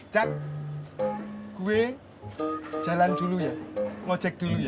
cak gue jalan dulu ya ngojek dulu ya